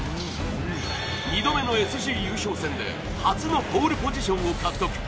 ２度目のＳＧ優勝戦で初のポールポジション獲得。